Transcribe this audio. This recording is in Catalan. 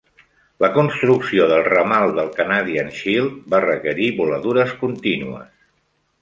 La construcció del ramal del Canadian Shield va requerir voladures contínues.